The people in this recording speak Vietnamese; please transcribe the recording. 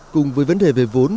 cùng với vấn đề về vốn